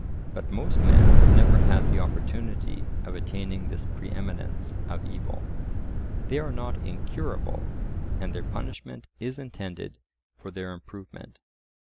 But most men have never had the opportunity of attaining this pre eminence of evil. They are not incurable, and their punishment is intended for their improvement.